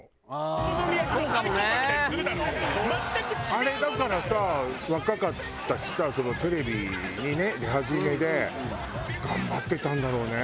「あれだからさ若かったしさテレビにね出始めで頑張ってたんだろうね」